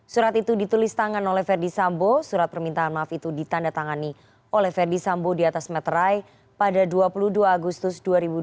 surat itu ditulis tangan oleh ferdisambo surat permintaan maaf itu ditanda tangani oleh ferdisambo di atas meterai pada dua puluh dua agustus dua ribu dua puluh dua